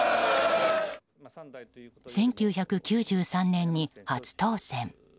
１９９３年に初当選。